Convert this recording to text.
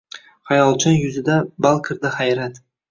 Xayolchan ko’zida balqirdi hayrat